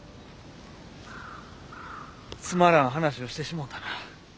つまらん話をしてしもうたな。